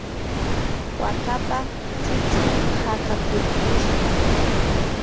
wakapa chuchun hakakurkushqa.